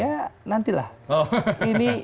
ya nantilah ini